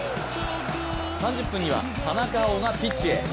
３０分には田中碧がピッチへ。